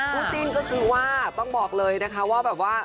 จิ้นก็คือว่าต้องบอกเลยนะคะว่าแบบว่า